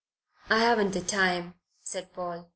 "I haven't the time," said Paul.